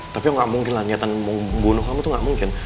tapi gak mungkin lah niatan mau bunuh kamu tuh gak mungkin